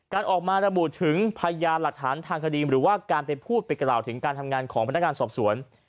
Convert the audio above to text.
การออกมาระบุถึงพยานหลักฐานทางคดีหรือว่าการไปพูดไปกล่าวถึงการทำงานของพนักงานสอบสวน